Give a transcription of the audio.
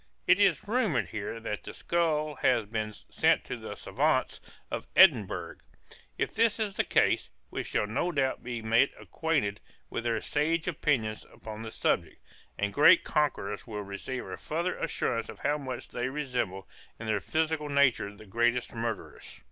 It is rumored here that the skull has been sent to the savans of Edinburg; if this be the case, we shall no doubt be made acquainted with their sage opinions upon the subject, and great conquerors will receive a farther assurance of how much they resemble in their physical natures the greatest murderers.